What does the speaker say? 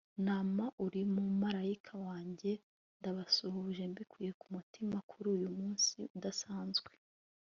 mama, uri umumarayika wanjye. ndabasuhuje mbikuye ku mutima kuri uyu munsi udasanzwe